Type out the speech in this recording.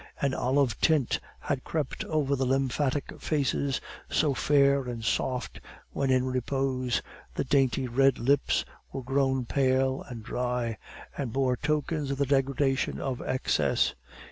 An olive tint had crept over the lymphatic faces, so fair and soft when in repose; the dainty red lips were grown pale and dry, and bore tokens of the degradation of excess.